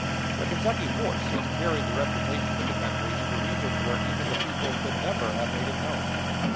The Kentucky horse has carried the reputation of the country into regions where even the people could never have made it known.